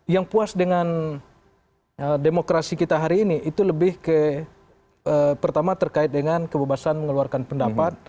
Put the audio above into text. yang puas dengan demokrasi kita hari ini itu lebih ke pertama terkait dengan kebebasan mengeluarkan pendapat